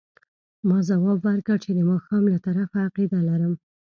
ما ځواب ورکړ چې د ماښام له طرفه عقیده لرم.